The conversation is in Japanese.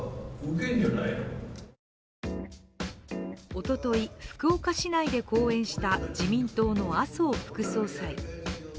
おととい、福岡市内で講演した自民党の麻生副総裁。